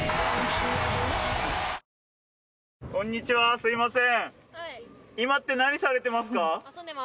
すいません。